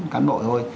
cán đội thôi